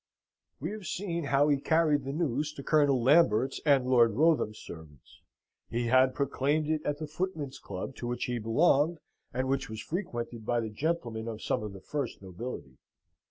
We have seen how he carried the news to Colonel Lambert's and Lord Wrotham's servants: he had proclaimed it at the footman's club to which he belonged, and which was frequented by the gentlemen of some of the first nobility.